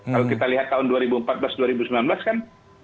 kalau kita lihat tahun dua ribu empat belas dua ribu sembilan belas kan